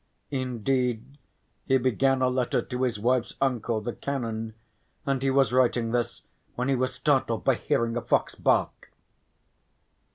Indeed he began a letter to his wife's uncle, the canon, and he was writing this when he was startled by hearing a fox bark.